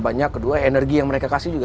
banyak kedua energi yang mereka kasih juga